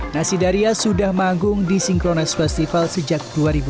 nasidariya sudah menganggung di synchronize festival sejak dua ribu delapan belas